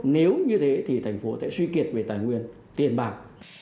nếu như thế thì thành phố sẽ suy kiệt về tài nguyên tiền bạc